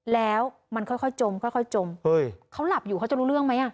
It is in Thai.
แล้วมันค่อยจมค่อยจมเฮ้ยเขาหลับอยู่เขาจะรู้เรื่องไหมอ่ะ